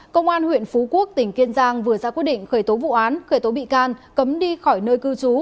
công an huyện phú quốc tỉnh kiên giang vừa ra quyết định khởi tố vụ án khởi tố bị can cấm đi khỏi nơi cư trú